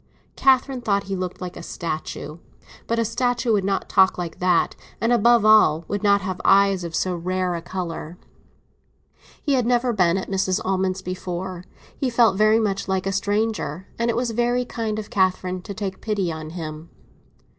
Catherine thought he looked like a statue. But a statue would not talk like that, and, above all, would not have eyes of so rare a colour. He had never been at Mrs. Almond's before; he felt very much like a stranger; and it was very kind of Catherine to take pity on him.